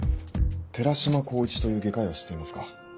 寺島光一という外科医は知っていますか？